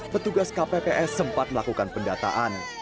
petugas kpps sempat melakukan pendataan